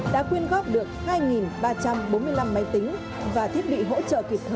đã quyên góp được hai ba trăm bốn mươi năm máy tính và thiết bị hỗ trợ kịp thời